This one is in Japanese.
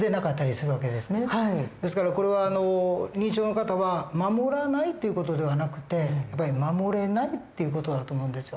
ですからこれは認知症の方は守らないという事ではなくて守れないっていう事だと思うんですよ。